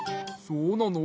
そうなの？